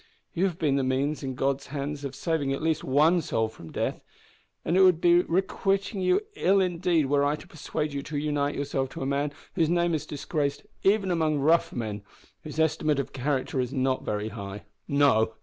You have been the means, in God's hand, of saving at least one soul from death, and it would be requiting you ill indeed were I to persuade you to unite yourself to a man whose name is disgraced even among rough men, whose estimate of character is not very high. No!